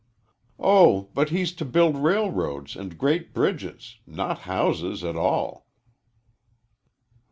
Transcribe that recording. "Oh, but he's to build railroads and great bridges not houses at all."